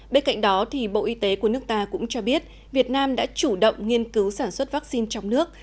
bên cạnh đó bộ y tế của nước ta cũng cho biết việt nam đã chủ động nghiên cứu sản xuất vaccine trong nước